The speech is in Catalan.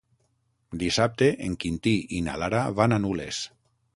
Dissabte en Quintí i na Lara van a Nules.